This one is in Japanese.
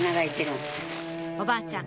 おばあちゃん